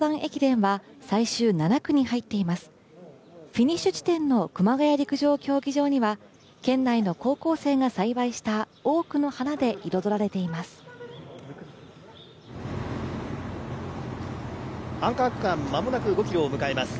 フィニッシュ地点の熊谷陸上競技場には、県内の高校生が栽培した多くの花で彩られています。